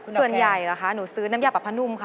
ส่วนใหญ่ล่ะค่ะหนูซื้อน้ำยาปรับผ้านุ่มค่ะ